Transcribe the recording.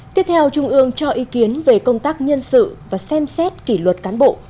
tiếp theo trung ương cho ý kiến về công tác nhân sự và xem xét kỷ luật cán bộ